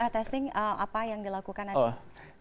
testing apa yang dilakukan nanti